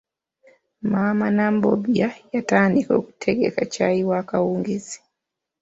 Maama Nambobya yatandika okutegeka caayi wa kawungeezi.